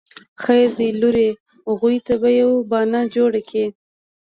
خير دی لورې اغوئ ته به يوه بانه جوړه کې.